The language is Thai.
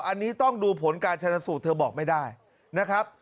อันนี้ต้องดูผลการชนสูตรเธอบอกไม่ได้นะครับ